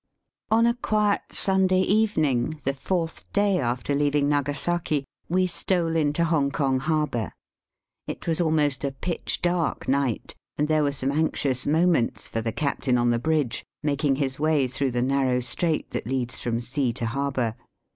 On a quiet Sunday evening, the fourth day after leaving Nagasaki, we stole into Hong kong harbour. It was almost a pitch dark night, and there were some anxious moments Digitized by VjOOQIC THE GEBBALTAR OF THE EAST. Ill for the captain on the bridge, making his way through the narrow strait that leads from sea to harbour.